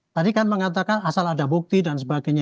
tadi kan mengatakan asal ada bukti dan sebagainya